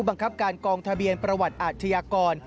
บังคับการกองทะเบียนประวัติอาชญากร